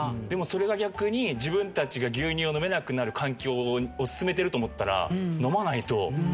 でもそれが逆に自分たちが牛乳を飲めなくなる環境を進めてると思ったら。